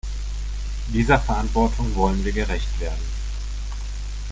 Dieser Verantwortung wollen wir gerecht werden.